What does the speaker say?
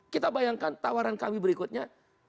kita bayangkan tawaran kami berikutnya